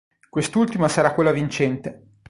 Quest'ultima sarà quella vincente.